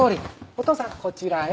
お父さんこちらへ。